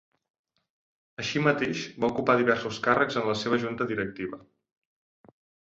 Així mateix, va ocupar diversos càrrecs en la seva junta directiva.